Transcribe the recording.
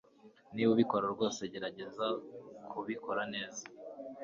Niba ubikora rwose, gerageza kubikora neza.